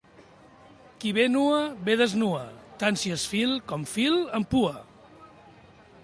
Qui bé nua, bé desnua; tant si és fil com fil amb pua.